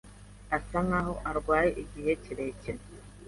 Asa nkaho arwaye igihe kirekire.